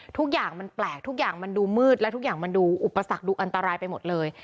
ทุกอย่างมันแปลกทุกอย่างมันดูมืดและทุกอย่างมันดูอุปสรรคดูอันตรายไปหมดเลย